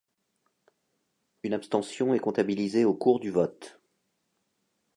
Une abstention est comptabilisée au cours du vote.